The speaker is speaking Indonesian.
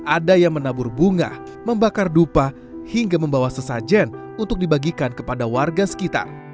ada yang menabur bunga membakar dupa hingga membawa sesajen untuk dibagikan kepada warga sekitar